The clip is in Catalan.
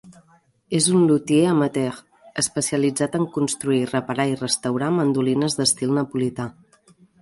És un lutier amateur, especialitzat en construir, reparar i restaurar mandolines d'estil napolità.